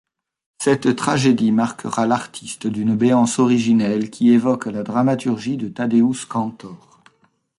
Cette tragédie marquera l’artiste d’une béance originelle qui évoque la dramaturgie de Tadeusz Kantor.